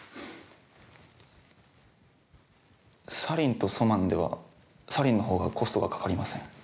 サリンとソマンではサリンのほうがコストがかかりません。